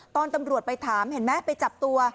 ตอนตำรวจไปถามเห็นไหมไปจับตัว